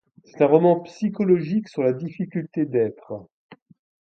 C'est un roman psychologique sur la difficulté d'être.